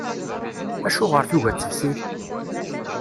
Acuɣer tugi ad texsi?